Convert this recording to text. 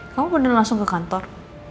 kamu bener langsung ke kantor